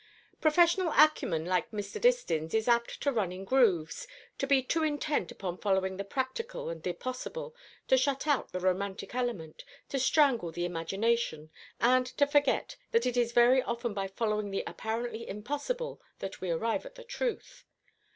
"Professional acumen like Mr. Distin's is apt to run in grooves to be too intent upon following the practical and the possible, to shut out the romantic element, to strangle the imagination, and to forget that it is very often by following the apparently impossible that we arrive at the truth."